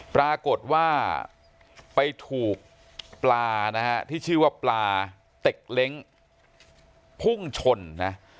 ปรากฏว่าไปถูกปลานะฮะที่ชื่อว่าปลาเต็กเล้งพุ่งชนนะ